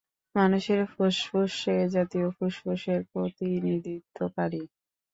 মানুষের ফুসফুস এজাতীয় ফুসফুসের প্রতিনিধিত্বকারী।